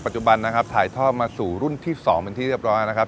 จุบันนะครับถ่ายทอดมาสู่รุ่นที่๒เป็นที่เรียบร้อยนะครับ